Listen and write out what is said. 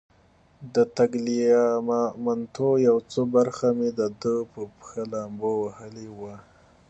د تګلیامنتو یو څه برخه مې د ده په پښه لامبو وهلې وه.